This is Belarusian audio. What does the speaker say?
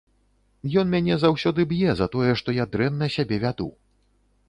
Ён мяне заўсёды б'е за тое, што я дрэнна сябе вяду.